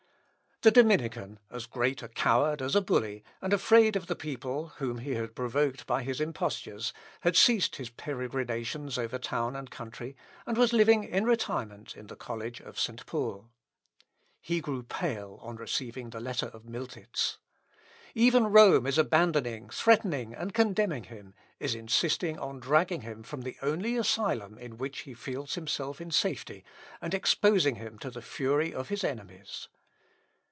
The Dominican, as great a coward as a bully, and afraid of the people whom he had provoked by his impostures, had ceased his peregrinations over town and country, and was living in retirement in the college of St. Paul. He grew pale on receiving the letter of Miltitz. Even Rome is abandoning, threatening, and condemning him is insisting on dragging him from the only asylum in which he feels himself in safety, and exposing him to the fury of his enemies....